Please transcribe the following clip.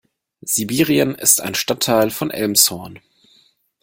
Sibirien ist ein Stadtteil von Elmshorn.